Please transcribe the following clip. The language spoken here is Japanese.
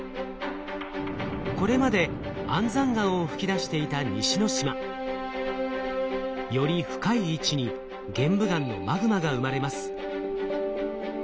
これまで安山岩を噴き出していた西之島。より深い位置に玄武岩のマグマが生まれます。